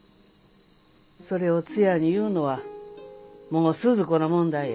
それをツヤに言うのはもうスズ子の問題や。